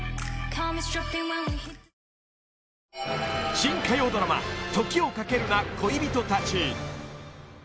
［新火曜ドラマ『時をかけるな、恋人たち』］